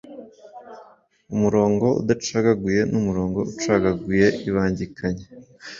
Umurongo udacagaguye n'umurongo ucagaguye ibangikanye.